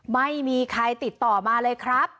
ไม่มีใครติดต่อมาเลยครับ